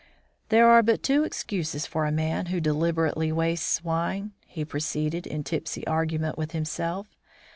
"There are but two excuses for a man who deliberately wastes wine," he proceeded, in tipsy argument with himself.